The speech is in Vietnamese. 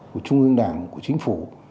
của trung ương đảng của chính phủ